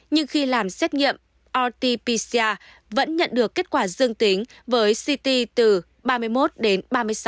nhưng khi làm xét nghiệm rt pcr vẫn nhận được kết quả dương tính với ct từ ba mươi một đến ba mươi sáu